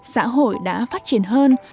xã hội đã phát triển hơn